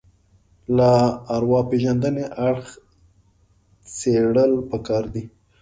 له ارواپېژندنې اړخ څېړل پکار دي